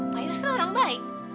pak yos kan orang baik